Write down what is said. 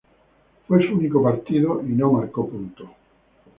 Fue su único partido y no marcó puntos.